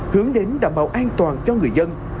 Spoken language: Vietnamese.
hướng đến đảm bảo an toàn cho người dân